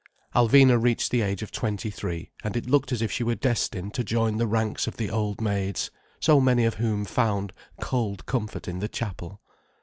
Alvina reached the age of twenty three, and it looked as if she were destined to join the ranks of the old maids, so many of whom found cold comfort in the Chapel.